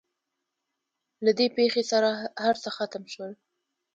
له دې پېښې سره هر څه ختم شول.